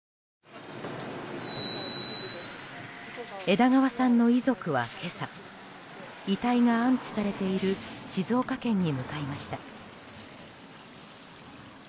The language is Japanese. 枝川さんの遺族は今朝遺体が安置されている静岡県に向かいました。